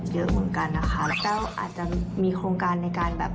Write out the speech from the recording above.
เยอะเหมือนกันนะคะแต้วอาจจะมีโครงการในการแบบ